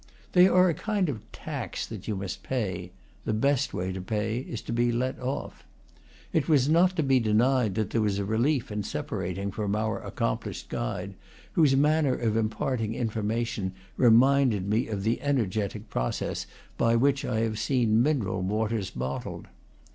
They are a kind of tax that you must pay; the best way is to pay to be let off. It was not to be denied that there was a relief in separating from our accomplished guide, whose manner of imparting information re minded me of the energetic process by which I have seen mineral waters bottled.